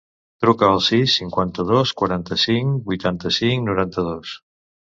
Truca al sis, cinquanta-dos, quaranta-cinc, vuitanta-cinc, noranta-dos.